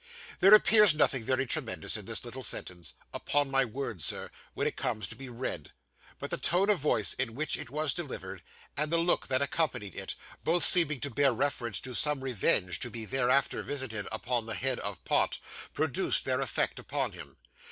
There appears nothing very tremendous in this little sentence, 'Upon my word, sir,' when it comes to be read; but the tone of voice in which it was delivered, and the look that accompanied it, both seeming to bear reference to some revenge to be thereafter visited upon the head of Pott, produced their effect upon him.